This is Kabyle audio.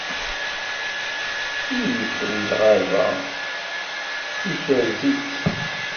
Ilef n lɣaba ikerz-itt.